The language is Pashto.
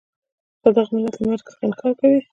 خو دغه ملت له مرګ څخه انکار کوي.